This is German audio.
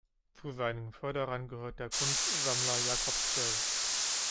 Zu seinen Förderern gehörte der Kunstsammler Jakob Gsell.